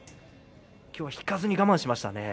今日は引かずに我慢しましたね。